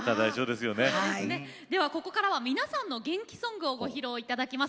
ここからは皆さんの、元気ソングご披露いただきます。